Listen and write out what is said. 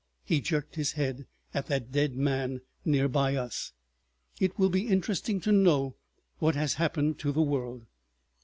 He jerked his head at that dead man near by us. "It will be interesting to know what has happened to the world.